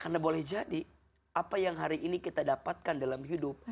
karena boleh jadi apa yang hari ini kita dapatkan dalam hidup